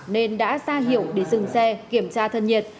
nên đã ra hiểu để dừng xe kiểm tra thân nhiệt